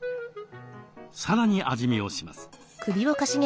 さらに味見をします。